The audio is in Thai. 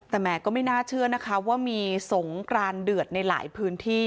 แต่แหมก็ไม่น่าเชื่อนะคะว่ามีสงกรานเดือดในหลายพื้นที่